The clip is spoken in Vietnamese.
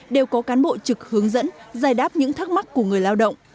đều có cán bộ trực hướng dẫn giải đáp những thắc mắc của người lao động